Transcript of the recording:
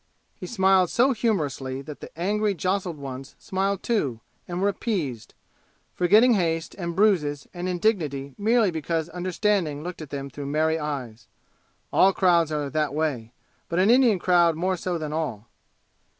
He smiled so humorously that the angry jostled ones smiled too and were appeased, forgetting haste and bruises and indignity merely because understanding looked at them through merry eyes. All crowds are that way, but an Indian crowd more so than all.